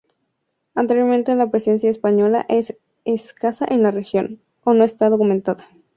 Anteriormente la presencia española es escasa en la región, o no está documentada.